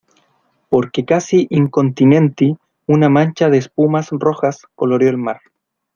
porque casi incontinenti una mancha de espumas rojas coloreó el mar,